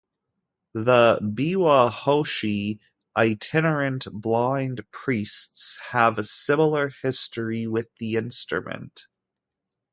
The "biwa hoshi", itinerant blind priests, have a similar history with the instrument.